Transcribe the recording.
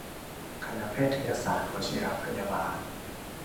คณะแพทยศาสตร์วชิรพยาบาล